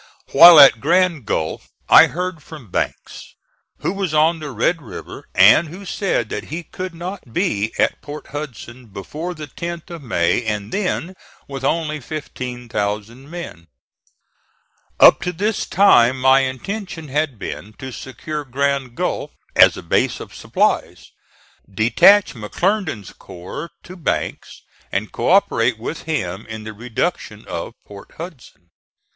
While at Grand Gulf I heard from Banks, who was on the Red River, and who said that he could not be at Port Hudson before the 10th of May and then with only 15,000 men. Up to this time my intention had been to secure Grand Gulf, as a base of supplies, detach McClernand's corps to Banks and co operate with him in the reduction of Port Hudson.